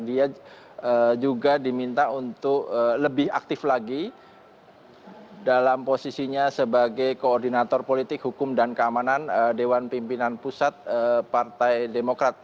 dia juga diminta untuk lebih aktif lagi dalam posisinya sebagai koordinator politik hukum dan keamanan dewan pimpinan pusat partai demokrat